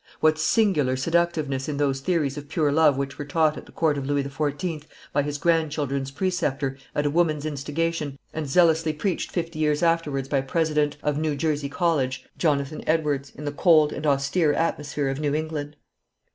What singular seductiveness in those theories of pure love which were taught at the court of Louis XIV., by his grandchildren's preceptor, at a woman's instigation, and zealously preached fifty years afterwards by President (of New Jersey College) Jonathan Edwards, in the cold and austere atmosphere of New England!